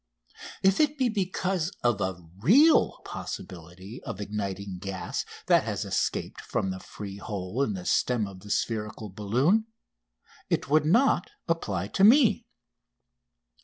If it be because of a real possibility of igniting gas that has escaped from the free hole in the stem of the spherical balloon it would not apply to me.